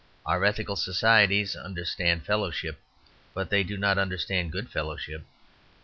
Our ethical societies understand fellowship, but they do not understand good fellowship.